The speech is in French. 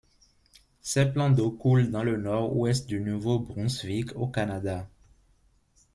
Ces plans d'eau coulent dans le Nord-Ouest du Nouveau-Brunswick, au Canada.